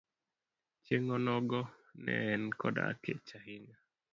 Chieng' onogo ne en koda kech ahinya.